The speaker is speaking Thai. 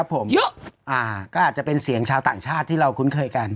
ก็อาจจะเป็นเสียงชาวต่างชาติที่เราคุ้นเคยกัน